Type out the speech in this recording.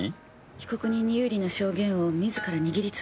被告人に有利な証言を自ら握りつぶすなんて。